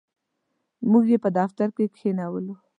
موږ یې په دفتر کې کښېنولو.